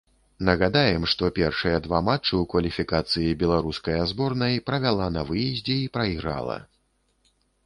Нагадаем, што першыя два матчы ў кваліфікацыі беларуская зборнай правяла на выездзе і прайграла.